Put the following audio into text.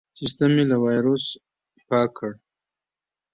سیستم مې له وایرس پاک کړ.